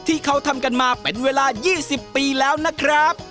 ที่เขาทำกันมาเป็นเวลา๒๐ปีแล้วนะครับ